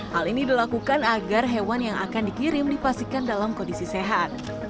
hal ini dilakukan agar hewan yang akan dikirim dipastikan dalam kondisi sehat